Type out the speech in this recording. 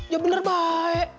ya bener baik